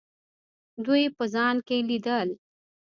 دوی په ځان کې لیدل.